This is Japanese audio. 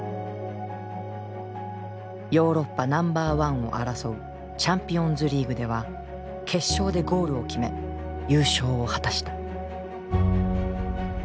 ヨーロッパナンバー１を争うチャンピオンズリーグでは決勝でゴールを決め優勝を果たした。